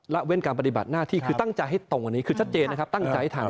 เว้นการปฏิบัติหน้าที่คือตั้งใจให้ตรงอันนี้คือชัดเจนนะครับตั้งใจให้ทัน